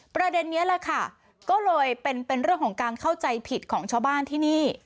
ประเด็นนี้แหละค่ะก็เลยเป็นเรื่องของการเข้าใจผิดของชาวบ้านที่นี่